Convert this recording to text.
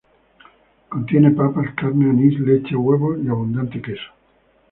Contiene papas, carne, anís, leche, huevos y abundante queso.